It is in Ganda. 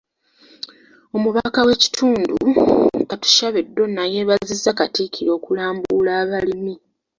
Omubaka w’ekitundu, Katushabe Donah yeebazizza Katikkiro okulambula abalimi.